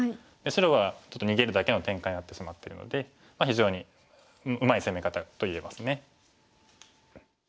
白はちょっと逃げるだけの展開になってしまってるので非常にうまい攻め方と言えます。